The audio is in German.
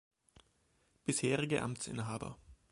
Bisherige Amtsinhaber